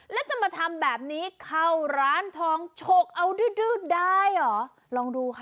แล้วจะมาทำแบบนี้เข้าร้านทองฉกเอาดื้อได้เหรอลองดูค่ะ